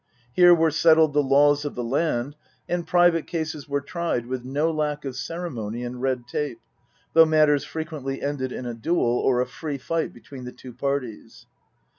Here were settled the laws of the land, and private cases were tried with no lack of ceremony and red tape, though matters frequently ended in a duel or a free fight between the two parties.